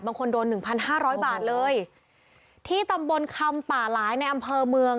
บางคนโดนหนึ่งพันห้าร้อยบาทเลยที่ตำบลคำป่าหลายในอำเภอเมือง